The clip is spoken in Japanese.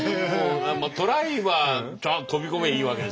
トライは飛び込めばいいわけですから。